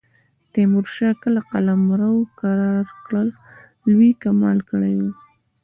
تیمورشاه که قلمرو کرار کړ لوی کمال کړی وي.